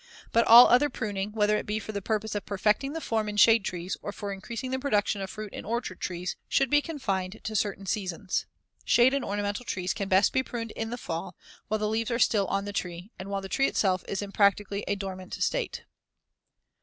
But all other pruning, whether it be for the purpose of perfecting the form in shade trees, or for increasing the production of fruit in orchard trees, should be confined to certain seasons. Shade and ornamental trees can best be pruned in the fall, while the leaves are still on the tree and while the tree itself is in practically a dormant state.